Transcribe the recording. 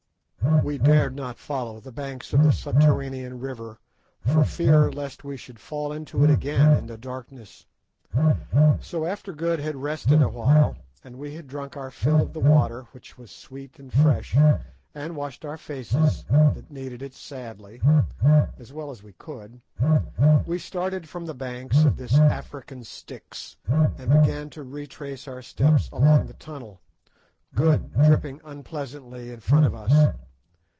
We dared not follow the banks of the subterranean river for fear lest we should fall into it again in the darkness. So after Good had rested a while, and we had drunk our fill of the water, which was sweet and fresh, and washed our faces, that needed it sadly, as well as we could, we started from the banks of this African Styx, and began to retrace our steps along the tunnel, Good dripping unpleasantly in front of us.